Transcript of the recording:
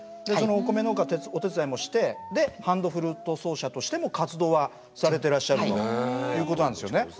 そのお米農家お手伝いもしてでハンドフルート奏者としても活動はされてらっしゃるということなんですよね。